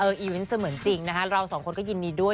อีเวนต์เสมือนจริงนะคะเราสองคนก็ยินดีด้วย